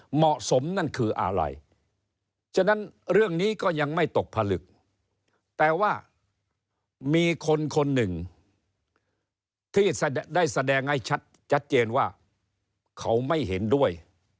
เหมาะสมนั่นคืออะไรฉะนั้นเรื่องนี้ก็ยังไม่ตกผลึกแต่ว่ามีคนคนหนึ่งที่ได้แสดงให้ชัดเจนว่าเขาไม่เห็นด้วย